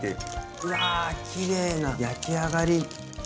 うわきれいな焼き上がり。